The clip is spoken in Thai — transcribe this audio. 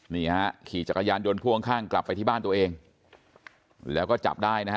นี่ฮะขี่จักรยานยนต์พ่วงข้างกลับไปที่บ้านตัวเองแล้วก็จับได้นะฮะ